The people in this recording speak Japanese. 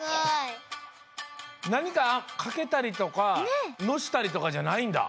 なにかかけたりとかのしたりとかじゃないんだ。